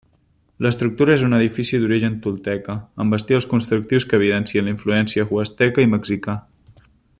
L'estructura és un edifici d'origen tolteca, amb estils constructius que evidencien influència Huasteca i Mexica.